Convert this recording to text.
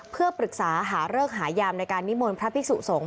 เพื่อปรึกษาหาเลิกหายามในการนิมนต์พระภิกษุสงฆ